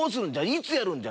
いつやるんじゃ？